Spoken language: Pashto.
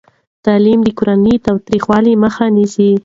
تعلیم د کورني تاوتریخوالي مخه نیسي.